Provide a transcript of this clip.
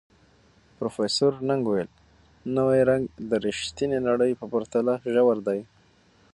پروفیسر نګ وویل، نوی رنګ د ریښتیني نړۍ په پرتله ژور دی.